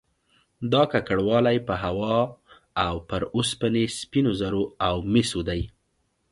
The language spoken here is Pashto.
دا ککړوالی په هوا او پر اوسپنې، سپینو زرو او مسو دی